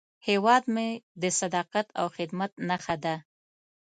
هیواد مې د صداقت او خدمت نښه ده